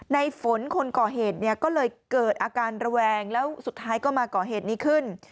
ในฝนคนก่อเหตุเนี่ยก็เลยเกิดอาการระแวงแล้วสุดท้ายก็มาก่อเหตุนี้ขึ้น